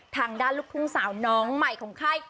ทางด้านลูกทุ่งสาวน้องใหม่ของค่าย